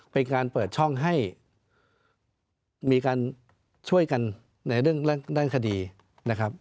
เป็นการเปิดช่องให้มีการช่วยกันในเรื่องด้านคดีนะครับ